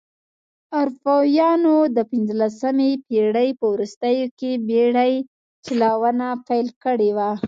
اروپایانو د پنځلسمې پېړۍ په وروستیو کې بېړۍ چلونه پیل کړې وه.